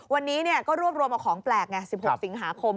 วันนี้ก็รวบรวมเอาของแปลกไง๑๖สิงหาคม